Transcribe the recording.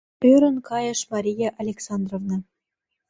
— ӧрын кайыш Мария Александровна.